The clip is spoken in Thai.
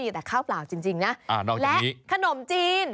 ทหารต่างชาติ